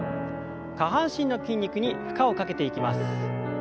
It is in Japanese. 下半身の筋肉に負荷をかけていきます。